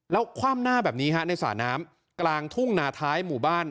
แล้วคว่ำหน้าแบบนี้ฮะในสระน้ำกลางทุ่งนาท้ายหมู่บ้าน